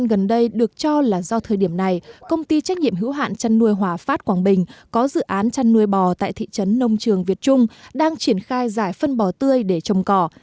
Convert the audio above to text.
nhưng gần đây được cho là do thời điểm này công ty trách nhiệm hữu hạn chăn nuôi hòa phát quảng bình có dự án chăn nuôi bò tại thị trấn nông trường việt trung đang triển khai giải phân bò tươi để trồng cỏ